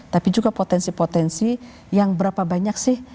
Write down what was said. tapi juga potensi potensi yang berapa banyak sih